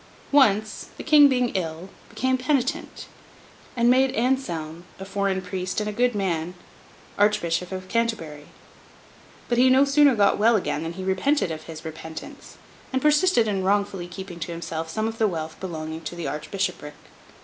Once, the King being ill, became penitent, and made Anselm, a foreign priest and a good man, Archbishop of Canterbury. But he no sooner got well again than he repented of his repentance, and persisted in wrongfully keeping to himself some of the wealth belonging to the archbishopric.